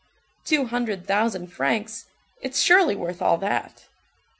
Two hundred thousand francs—it's surely worth all that.